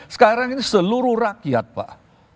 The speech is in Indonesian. sekarang ini seluruh rakyat pak